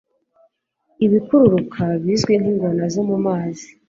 Ibikururuka bizwi nkingona zo mu mazi